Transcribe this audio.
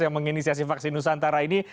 yang menginisiasi vaksin nusantara ini